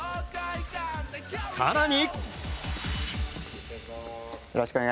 更に。